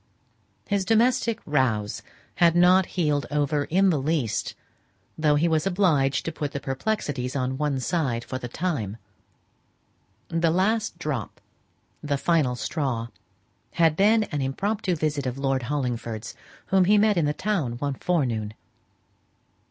His domestic "rows" had not healed over in the least, though he was obliged to put the perplexities on one side for the time. The last drop the final straw, had been an impromptu visit of Lord Hollingford's, whom he had met in the town one forenoon.